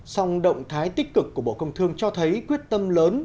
song động thái tích cực của bộ công thương cho thấy quyết tâm lớn